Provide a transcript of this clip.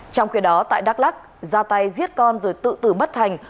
trong khi đó tại đắk lắc ra tay giết con rồi tự tử bất thành